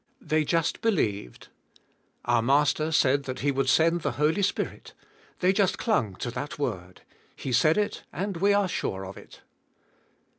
They just believed. Our master said that He would send the Holy Spirit; they just clung to that word. He said it, and we are sure of it.